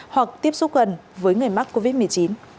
hoặc tiếp xúc gần với người mắc covid một mươi chín